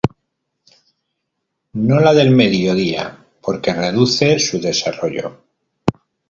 No la del medio día porque reduce su desarrollo.